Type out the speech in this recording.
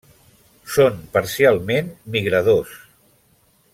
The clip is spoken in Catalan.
Són parcialment migradors.